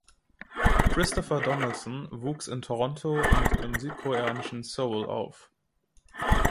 Christopher Donaldson wuchs in Toronto und im südkoreanischen Seoul auf.